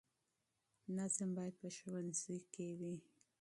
نظم باید په ښوونځي کې وي.